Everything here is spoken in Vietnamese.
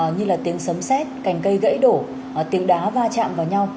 như là tiếng sấm xét cành cây gãy đổ tiếng đá va chạm vào nhau